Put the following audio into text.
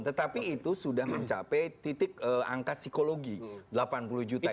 tetapi itu sudah mencapai titik angka psikologi delapan puluh juta